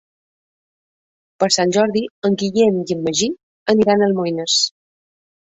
Per Sant Jordi en Guillem i en Magí aniran a Almoines.